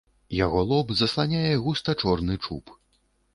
Яго лоб засланяе густа чорны чуб.